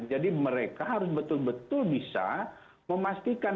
jadi mereka harus betul betul bisa memastikan